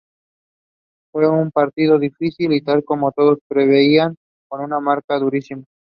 Fue un partido difícil y tal como todos preveían, con una marca durísima.